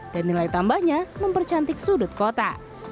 dan nilai tambahnya mempercantik sudut kota